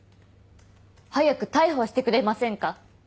早く逮捕してくれませんか？